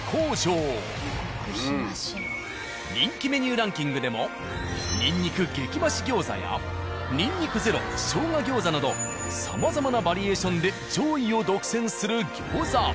人気メニューランキングでもにんにく激増し餃子やにんにくゼロ生姜餃子などさまざまなバリエーションで上位を独占する餃子。